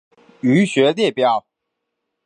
腧穴列表